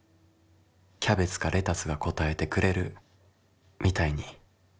キャベツかレタスが答えてくれるみたいに」。